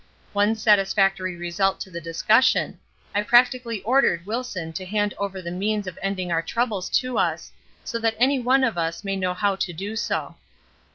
One satisfactory result to the discussion; I practically ordered Wilson to hand over the means of ending our troubles to us, so that anyone of us may know how to do so.